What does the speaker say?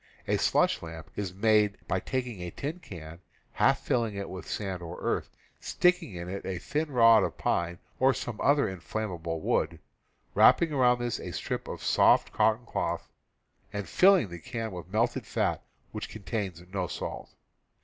A slush lamp is made by taking a tin can, half filling it with sand or earth, sticking in it a thin rod of pine or other inflammable wood, wrapping around this a strip of soft cotton cloth, and filling the can with melted fat which contains no salt.